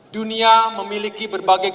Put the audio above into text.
dunia memiliki berbagai